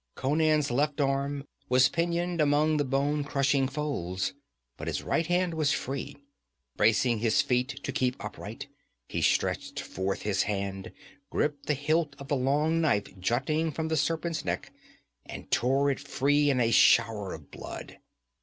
Conan's left arm was pinioned among the bone crushing folds, but his right was free. Bracing his feet to keep upright, he stretched forth his hand, gripped the hilt of the long knife jutting from the serpent's neck, and tore it free in a shower of blood.